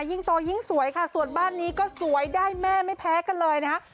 ยิ่งโตยิ่งสวยค่ะส่วนบ้านนี้ก็สวยได้แม่ไม่แพ้กันเลยนะคะ